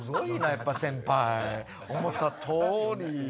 やっぱ先輩思った通り。